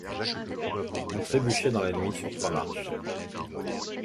On trébuchait dans la nuit sur trois marches.